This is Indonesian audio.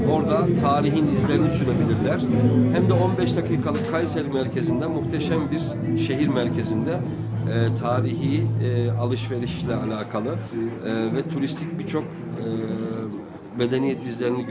oleh karena itu jika mereka berjalan ke kayseri kayseri atau tiga hari di lgs